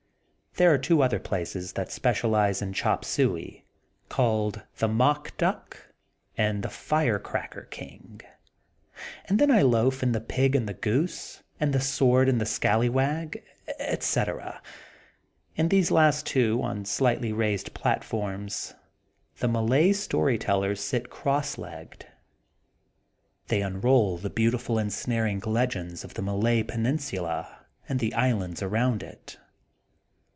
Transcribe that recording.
There are two other places that specialize in chop suey, called: ''The Mock Duck and "The Fire Cracker King and then I loaf in "The Pig and the Goose, and "The Sword of the Skallawag, etc. In these last two on slightly raised platforms the Malay story tellers sit cross legged. They unroll the beau tiful ensnaring legends of the Malay penin sula and the islands around it.